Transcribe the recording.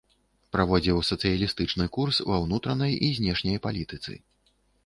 Праводзіў сацыялістычны курс ва ўнутранай і знешняй палітыцы.